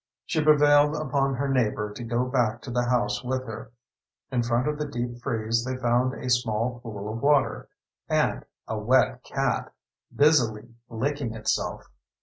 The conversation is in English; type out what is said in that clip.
She prevailed upon her neighbor to go back to the house with her. In front of the deep freeze they found a small pool of water, and a wet cat, busily licking itself.